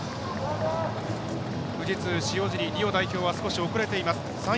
富士通、塩尻、リオ代表は遅れております。